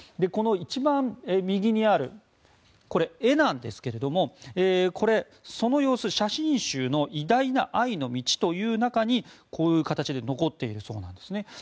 この一番右にあるこれ、絵なんですがこれはその様子、写真集の「偉大な愛の道」という中にこういう形で残っているそうなんですね。